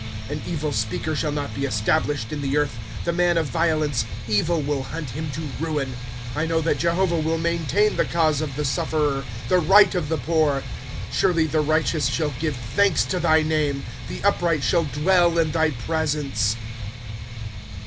" An evil speaker shall not be established in the earth ; The man of violence, evil will hunt him to ruin. '^ r know that Jehovah wUi maintain the cause of the sufferer, The right of the poor. ^^ Surely the righteous shall give thanks to thy name ; The upright shall dwell in thy presence.